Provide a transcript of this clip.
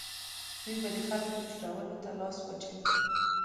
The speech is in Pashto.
دوی به د خلکو چورولو ته لاس واچوي.